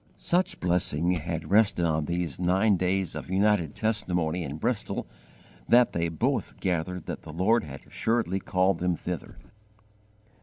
Such blessing had rested on these nine days of united testimony in Bristol that they both gathered that the Lord had assuredly called them thither.